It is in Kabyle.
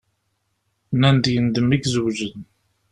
Nan-d yendem i izewǧen.